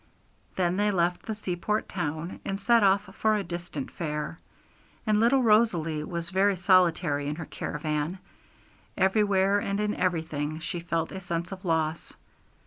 Then they left the seaport town, and set off for a distant fair. And little Rosalie was very solitary in her caravan; everywhere and in everything she felt a sense of loss.